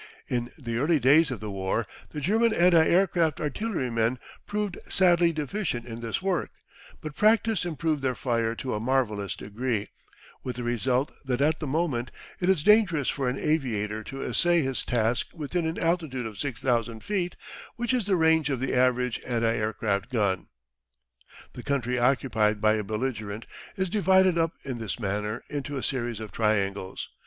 In the early days of the war the German anti aircraft artillerymen proved sadly deficient in this work, but practice improved their fire to a marvellous degree, with the result that at the moment it is dangerous for an aviator to essay his task within an altitude of 6,000 feet, which is the range of the average anti aircraft gun. The country occupied by a belligerent is divided up in this manner into a series of triangles.